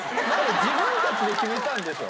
自分たちで決めたんでしょ。